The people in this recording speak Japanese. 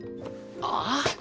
ああ？